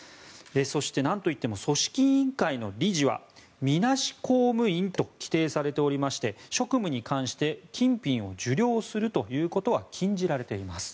そして、なんといっても組織委員会の理事はみなし公務員と規定されておりまして職務に関して金品を受領するということは禁じられています。